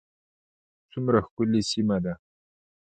څومره ښکلې سیمه ده